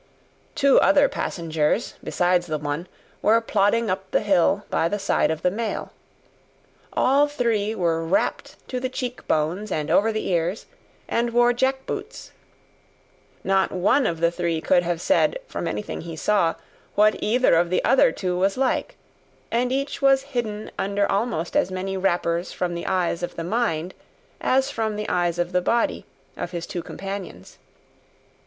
Two other passengers, besides the one, were plodding up the hill by the side of the mail. All three were wrapped to the cheekbones and over the ears, and wore jack boots. Not one of the three could have said, from anything he saw, what either of the other two was like; and each was hidden under almost as many wrappers from the eyes of the mind, as from the eyes of the body, of his two companions.